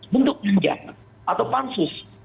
bentuk pinjam atau pansus